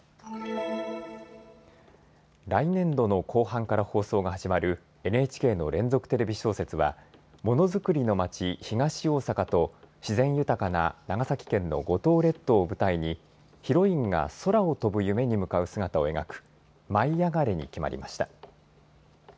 来年度の後半から放送が始まるＮＨＫの連続テレビ小説はものづくりの町・東大阪と自然豊かな長崎県の五島列島を舞台にヒロインが空を飛ぶ夢に向かう姿を描く舞いあがれ！に決まりました。